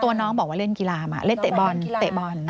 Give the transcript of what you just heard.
ตัวน้องบอกว่าเล่นกีฬามาเล่นเตะบอลเตะบอล